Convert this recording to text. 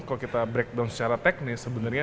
kalau kita breakdown secara teknis sebenarnya